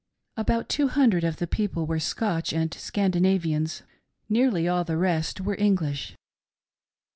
About two hundred of the people were Scotch and Scandinavians ; nearly all the rest were English.